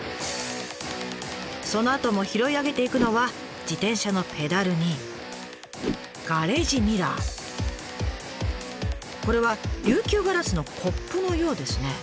そのあとも拾い上げていくのはこれは琉球ガラスのコップのようですね。